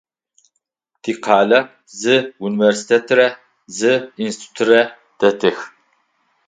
Тикъалэ зы университетрэ зы институтрэ дэтых.